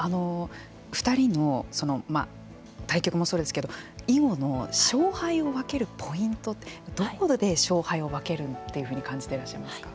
２人の対局もそうですけど囲碁の勝敗を分けるポイントってどこで勝敗を分けるというふうに感じていらっしゃいますか。